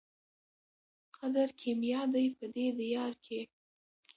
قدر کېمیا دی په دې دیار کي